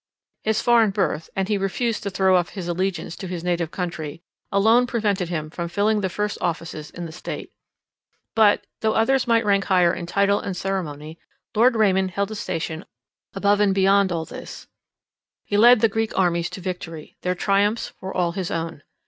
His foreign birth, and he refused to throw off his allegiance to his native country, alone prevented him from filling the first offices in the state. But, though others might rank higher in title and ceremony, Lord Raymond held a station above and beyond all this. He led the Greek armies to victory; their triumphs were all his own.